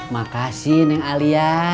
makasih neng alia